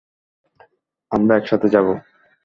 আমরা একসাথে যাবো।